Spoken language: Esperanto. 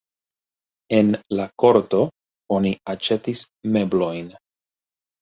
En la korto oni aĉetis meblojn.